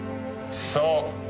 そう。